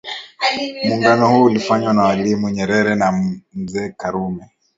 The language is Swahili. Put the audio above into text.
Muungano huo ulifanywa na mwalimu nyerere na mzee karume